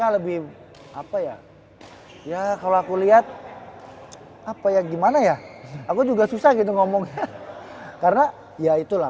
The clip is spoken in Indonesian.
lebih apa ya ya kalau aku lihat apa ya gimana ya aku juga susah gitu ngomongnya karena ya itulah